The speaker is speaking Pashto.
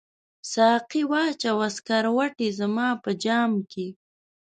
ساقي واچوه سکروټي زما په جام کې